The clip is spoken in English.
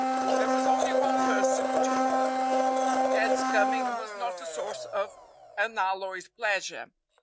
There was only one person to whom Ted's coming was not a source of unalloyed pleasure.